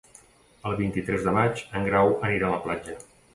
El vint-i-tres de maig en Grau anirà a la platja.